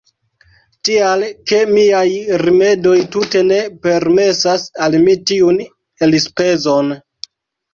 Tial ke miaj rimedoj tute ne permesas al mi tiun elspezon.